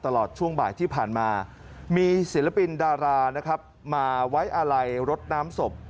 ตลอดช่วงบายที่ผ่านมีศิลปินดารามาวัยอาลัยรสน้ำศพ